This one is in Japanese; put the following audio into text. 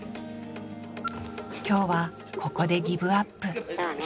今日はここでギブアップそうね。